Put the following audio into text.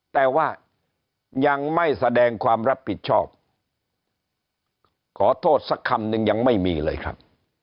แต่ว่ายังไม่แสดงความรับผิดชอบขอโทษสักคำนึงยังไม่มีเลยครับ